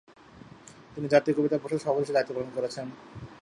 তিনি জাতীয় কবিতা পরিষদের সভাপতি হিসেবে দায়িত্ব পালন করছেন।